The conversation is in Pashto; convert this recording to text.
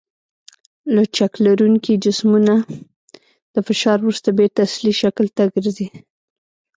لچک لرونکي جسمونه د فشار وروسته بېرته اصلي شکل ته ګرځي.